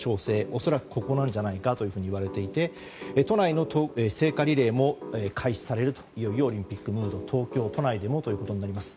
恐らくここなんじゃないかと言われていて都内の聖火リレーも開催されいよいよオリンピックムードが東京都内でもとなります。